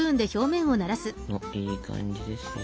いい感じですよ。